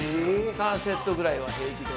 ３セットぐらいは平気で。